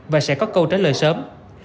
và sẽ có câu trả lời sớm